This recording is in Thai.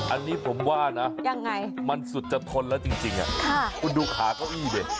อันนี้ผมว่านะมันสุดจะทนแล้วจริงคุณดูขาเก้าอี้ดิ